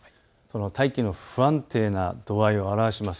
大気の不安定な度合いを表します